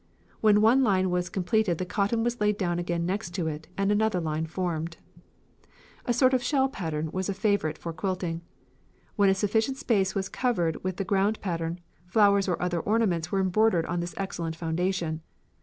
When one line was completed the cotton was laid down again next to it, and another line formed. "A sort of shell pattern was a favourite for quilting. When a sufficient space was covered with the ground pattern, flowers or other ornaments were embroidered on this excellent foundation.